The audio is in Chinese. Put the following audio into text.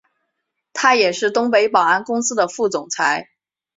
他也是东北保安公司的副总裁。